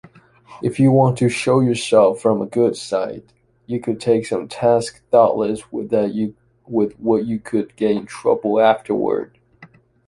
If you want to show yourself from a good side, you could take some task thoughtless with what you could get in trouble afterward.